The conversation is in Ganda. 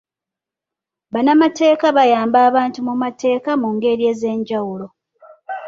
Bannamateeka bayamba abantu mu mateeka mu ngeri ez'enjawulo.